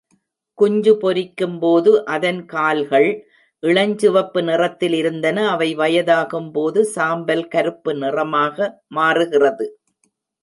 குஞ்சு பொரிக்கும்போது அதன் கால்கள் இளஞ்சிவப்பு நிறத்தில் இருந்தன, அவை வயதாகும்போது சாம்பல்-கருப்பு நிறமாக மாறுகிறது.